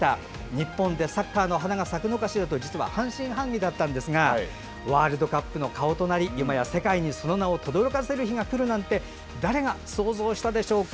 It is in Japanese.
日本でサッカーの花が咲くのかしらと実は半信半疑だったんですがワールドカップの顔となりいまや世界にその名をとどろかせる日が来るなんて、誰が想像したでしょうか。